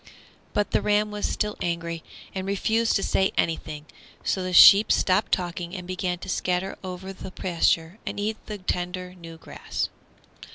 But the ram was still angry, and refused to say anything, so the sheep stopped talking and began to scatter over the pasture and eat the tender, new grass.